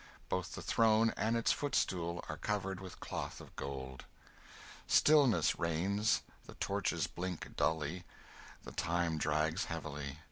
Both the throne and its footstool are covered with cloth of gold. Stillness reigns, the torches blink dully, the time drags heavily.